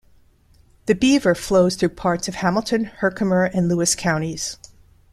The Beaver flows through parts of Hamilton, Herkimer, and Lewis counties.